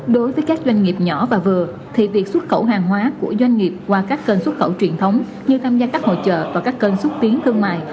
đối với các doanh nghiệp nhỏ và vừa thì việc xuất khẩu hàng hóa của doanh nghiệp qua các kênh xuất khẩu truyền thống như tham gia các hội trợ và các cơn xúc tiến thương mại